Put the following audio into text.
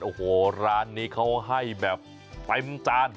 โอ้โหร้านนี้เขาให้แบบเต็มจาน